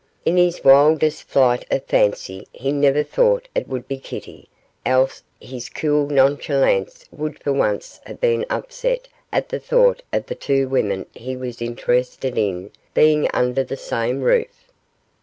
In his wildest flight of fancy he never thought it would be Kitty, else his cool nonchalance would for once have been upset at the thought of the two women he was interested in being under the same roof.